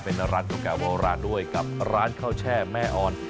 เป็นร้านเก่าแก่โบราณด้วยกับร้านข้าวแช่แม่อ่อน